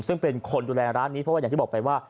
ซึ่งเป็นคนดูแลร้านนี้เพราะว่าอย่างที่บอกไปว่า